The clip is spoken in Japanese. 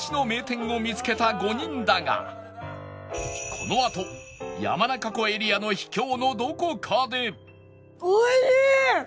このあと山中湖エリアの秘境のどこかで